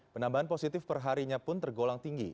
penambahan positif perharinya pun tergolong tinggi